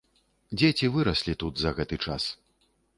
Дзеці выраслі тут за гэты час.